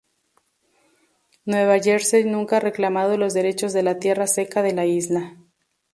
Nueva Jersey nunca ha reclamado los derechos de la tierra seca de la isla.